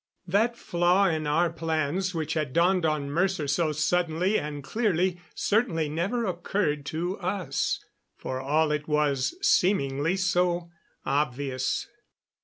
That flaw in our plans which had dawned on Mercer so suddenly and clearly certainly never occurred to us, for all it was seemingly so obvious.